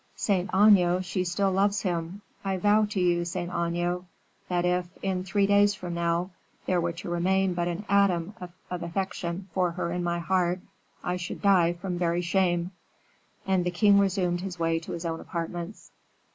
Saint Aignan, she still loves him. I vow to you, Saint Aignan, that if, in three days from now, there were to remain but an atom of affection for her in my heart, I should die from very shame." And the king resumed his way to his own apartments.